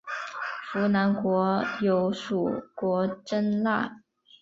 扶南国有属国真腊。